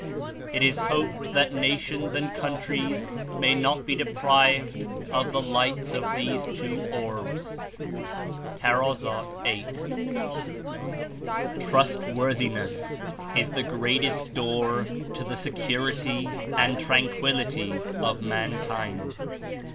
It Is hoped that nations and countries may not be de prived of the lights of these two orbs:" (Tar. 8.) "Trustworthiness is the greatest door to the se curity and tranquility of mankind.